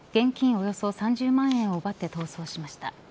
およそ３０万円を奪って逃走しました。